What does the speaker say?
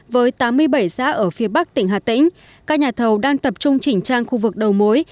với tám mươi bảy xã ở phía bắc tỉnh hà tĩnh các nhà thầu đang tập trung chỉnh trang khu vực đầu mối